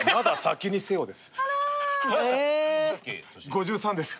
５３です。